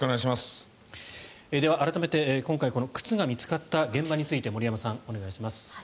では、改めて今回靴が見つかった現場について森山さん、お願いします。